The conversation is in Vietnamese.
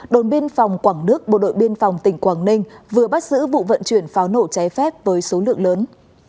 đồn biên phòng quảng đức bộ đội biên phòng tỉnh quảng ninh vừa bắt giữ vụ vận chuyển pháo nổ cháy phép với số lượng lớn